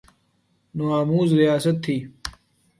نو آموز ریاست تھی۔